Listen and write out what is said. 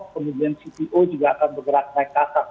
kemudian cpo juga akan bergerak naik kasar